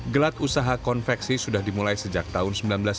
gelat usaha konveksi sudah dimulai sejak tahun seribu sembilan ratus sembilan puluh